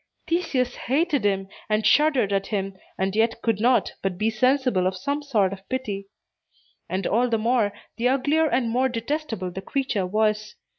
Theseus hated him, and shuddered at him, and yet could not but be sensible of some sort of pity; and all the more, the uglier and more detestable the creature was.